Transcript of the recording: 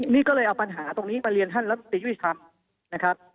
นี่ก็เลยเอาปัญหาตรงนี้มาเรียนท่านรัฐยุติธรรมนะครับ